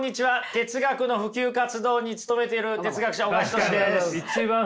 哲学の普及活動に努めている哲学者小川仁志です。